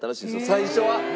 最初は。